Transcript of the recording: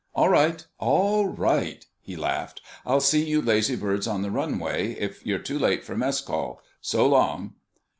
"All right, all right!" he laughed. "I'll see you lazy birds on the runway, if you're too late for mess call. So long!"